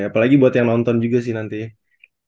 apalagi buat yang nonton juga sih nanti ya